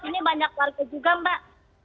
ini banyak warga juga mbak